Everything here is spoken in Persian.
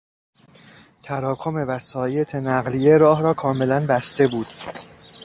تراکم وسایط نقلیه راه را کاملا بسته بود.